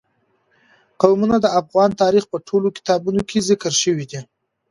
قومونه د افغان تاریخ په ټولو کتابونو کې ذکر شوي دي.